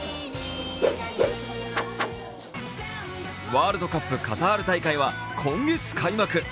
ワールドカップ・カタール大会は今月開幕。